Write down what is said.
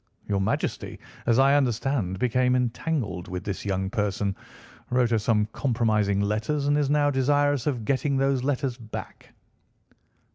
Your Majesty, as I understand, became entangled with this young person, wrote her some compromising letters, and is now desirous of getting those letters back."